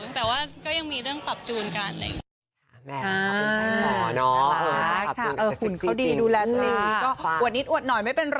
แต่ว่าก็ยังมีเรื่องปรับจูนกัน